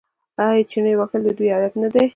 آیا چنې وهل د دوی عادت نه دی؟